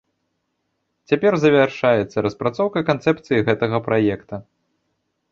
Цяпер завяршаецца распрацоўка канцэпцыі гэтага праекта.